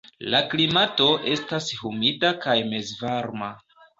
La klimato estas humida kaj mezvarma.